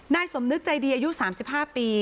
นายสมนึกใจดีอายุสามสิบห้าปี